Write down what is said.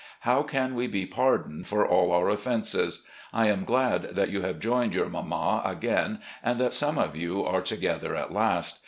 How can we be pardoned for all our offenses! I am glad that you have joined your mamma again and that some of you are together at last.